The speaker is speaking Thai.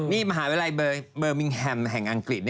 นี่มหาวิทยาลัยเบอร์มิงแฮมแห่งอังกฤษ